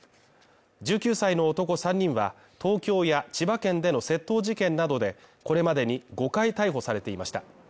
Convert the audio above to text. １９歳の男３人は東京や千葉県での窃盗事件などでこれまでに５回逮捕されていました。